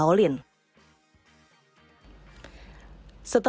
itu ia menurut saya